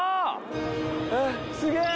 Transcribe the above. すげえ。